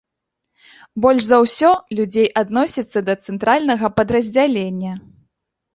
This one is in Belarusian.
Больш за ўсё людзей адносіцца да цэнтральнага падраздзялення.